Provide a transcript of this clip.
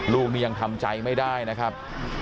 ลูกนี่ยังทำใจไม่ได้นะครับ